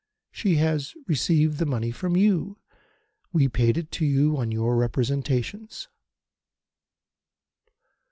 She has received the money from you. We paid it to you on your representations."